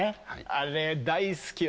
あれ大好き私も。